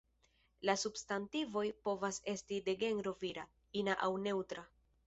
La substantivoj povas esti de genro vira, ina aŭ neŭtra.